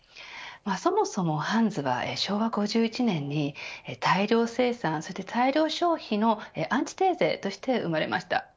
そもそもハンズは昭和５１年に大量生産、そして大量消費のアンチテーゼとして生まれました。